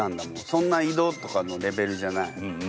そんな井戸とかのレベルじゃないうん